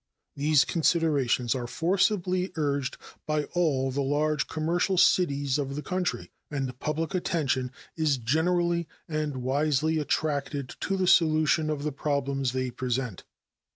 These considerations are forcibly urged by all the large commercial cities of the country, and public attention is generally and wisely attracted to the solution of the problems they present.